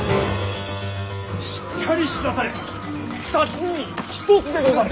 しっかりしなされ二つに一つでござる。